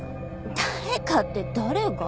誰かって誰が？